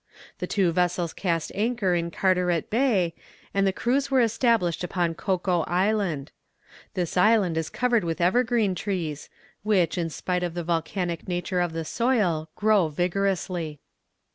The two vessels cast anchor in Carteret Bay, and the crews were established upon Cocoa Island. This island is covered with evergreen trees, which, in spite of the volcanic nature of the soil, grow vigorously.